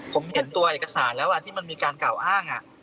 ผมเห็นตัวเอกสารแล้วที่มันมีการกล่าวอ้าง